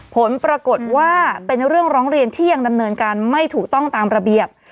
ผลปรากฏว่าเป็นเรื่องร้องเรียนที่ยังดำเนินการไม่ถูกต้องตามระเบียบ